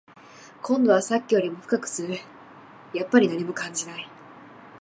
今度はさっきよりも深く吸う、やっぱり何も感じない